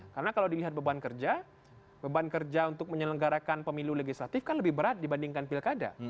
karena kalau dilihat beban kerja beban kerja untuk menyelenggarakan pemilu legislatif kan lebih berat dibandingkan pilkada